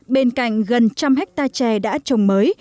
bên cạnh gần một trăm linh hectare trẻ đã trồng mới